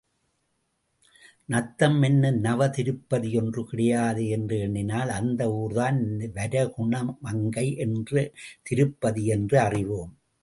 நத்தம் என்னும் நவதிருப்பதி ஒன்று கிடையாதே என்று எண்ணினால், அந்த ஊர்தான் வரகுணமங்கை என்ற திருப்பதி என்று அறிவோம்.